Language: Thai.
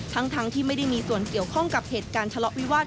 ทั้งที่ไม่ได้มีส่วนเกี่ยวข้องกับเหตุการณ์ทะเลาะวิวาส